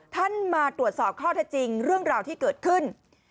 ท่านมาตรวจสอบข้อเท็จจริงเรื่องราวที่เกิดขึ้น